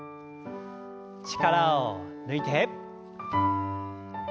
力を抜いて。